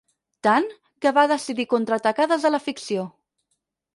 Tant, que va decidir contraatacar des de la ficció.